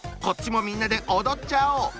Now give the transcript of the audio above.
こっちもみんなで踊っちゃおう！